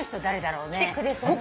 誰だろうね？